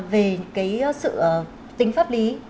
về sự tính pháp lý